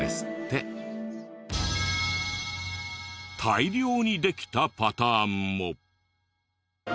大量にできたパターンも。